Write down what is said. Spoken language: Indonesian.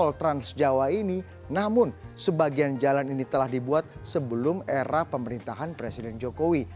tol trans jawa ini namun sebagian jalan ini telah dibuat sebelum era pemerintahan presiden jokowi